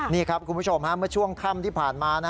นี่ครับคุณผู้ชมเมื่อช่วงค่ำที่ผ่านมา